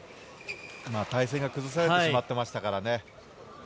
体勢が崩されてしまっていましたからね。